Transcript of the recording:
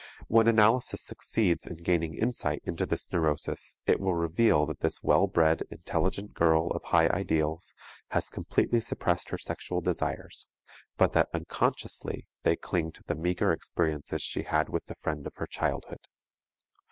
When analysis succeeds in gaining insight into this neurosis, it will reveal that this well bred, intelligent girl of high ideals, has completely suppressed her sexual desires, but that unconsciously they cling to the meager experiences she had with the friend of her childhood.